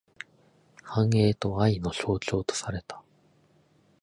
繁栄と愛の象徴とされた。